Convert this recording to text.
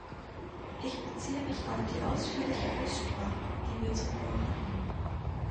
Ich beziehe mich auf die ausführliche Aussprache, die wir zuvor hatten.